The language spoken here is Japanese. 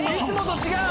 いつもと違う！